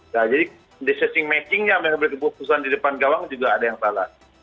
nah jadi decision matchingnya yang berkeputusan di depan gawang juga ada yang salah